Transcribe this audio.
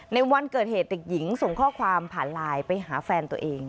ในวันเกิดเหตุเด็กหญิงส่งข้อความผ่านไลน์ไปหาแฟนตัวเอง